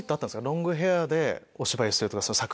ロングヘアでお芝居するとか。